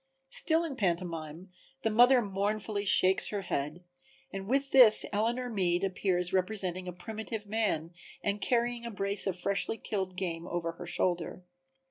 Still in pantomime the mother mournfully shakes her head, and with this Eleanor Meade appears representing a primitive man and carrying a brace of freshly killed game over her shoulder.